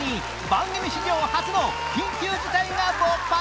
番組史上初の緊急事態が勃発！？